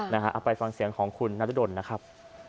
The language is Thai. เอาไปฟังเสียงของคุณนรดลนะครับ